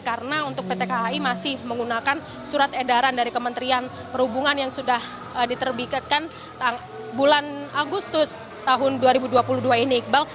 karena untuk pt kai masih menggunakan surat edaran dari kementerian perhubungan yang sudah diterbitkan bulan agustus tahun dua ribu dua puluh dua ini iqbal